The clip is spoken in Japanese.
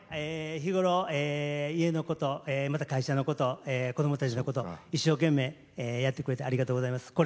日頃、家のことまた、会社のことこどもたちのこと一生懸命やってくれてありがとうございます。